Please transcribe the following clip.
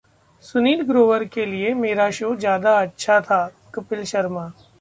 सुनील ग्रोवर के लिए मेरा शो ज्यादा अच्छा था: कपिल शर्मा